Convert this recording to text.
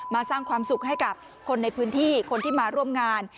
สร้างความสุขให้กับคนในพื้นที่คนที่มาร่วมงาน